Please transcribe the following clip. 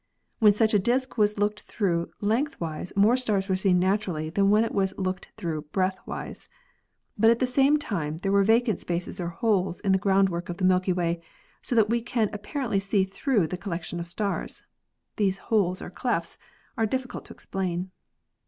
When such a disk was looked through lengthwise more stars were seen naturally than when it was looked through breadthwise. But at the same time there were vacant spaces or holes in the ground work of the Milky Way, so that we can apparently see through the collection of stars. These holes or clefts are difficult to explain.